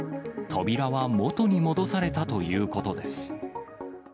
扉は元に戻されたということです。